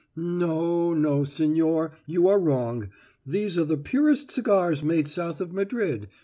No no, señor; you are wrong. These are the purest cigars made south of Madrid.